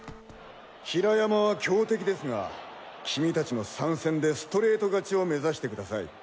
比良山は強敵ですが君達の３戦でストレート勝ちを目指してください。